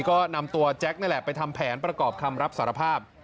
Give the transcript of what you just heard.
ก็นำตัวแจ็คนี่แหละไปทำแผนประกอบคำรับสารภาพ